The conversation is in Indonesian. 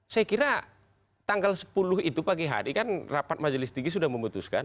saya kira tanggal sepuluh itu pagi hari kan rapat majelis tinggi sudah memutuskan